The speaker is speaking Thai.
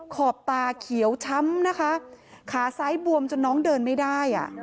ขอบตาเขียวช้ำนะคะขาซ้ายบวมจนน้องเดินไม่ได้อ่ะ